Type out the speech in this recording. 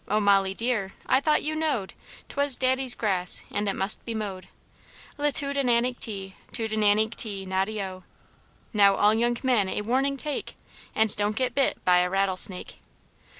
O Molly dear, I thought you knowed 'Twas daddy's grass, and it must be mowed, Li tu di nan incty, tu di n an incty, noddy O! Now all young men a warning take, And don't get bit by a rattlesnake.